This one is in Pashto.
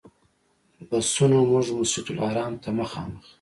بسونو موږ مسجدالحرام ته مخامخ.